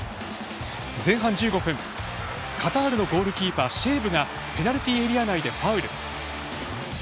前半１５分、カタールのゴールキーパー、シェーブがペナルティーエリア内でファウル。